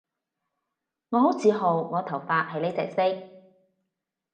我好自豪我頭髮係呢隻色